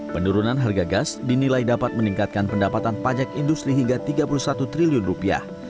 penurunan harga gas dinilai dapat meningkatkan pendapatan pajak industri hingga tiga puluh satu triliun rupiah